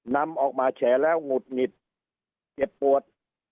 นำออกมาแฉแล้วหงุดหงิดเจ็บปวด